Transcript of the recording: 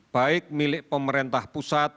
baik milik pemerintah pusat